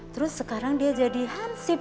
terus sekarang dia jadi hansip